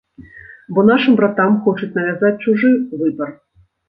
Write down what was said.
Бо нашым братам хочуць навязаць чужы выбар.